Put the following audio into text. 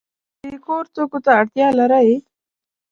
د کور توکو ته اړتیا لرئ؟